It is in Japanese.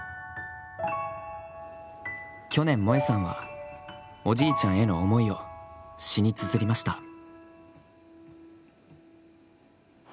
去年、萌江さんはおじいちゃんへの思いを詩につづりました。